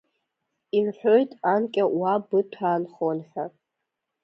Ирҳәоит, анкьа уа Быҭәаа нхон ҳәа.